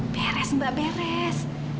beres mbak beres